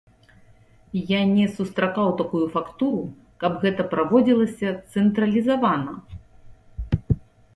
Я не сустракаў такую фактуру, каб гэта праводзілася цэнтралізавана.